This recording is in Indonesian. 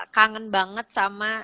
kangen banget sama